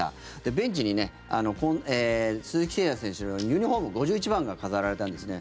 ベンチに鈴木誠也選手のユニホーム５１番が飾られたんですね。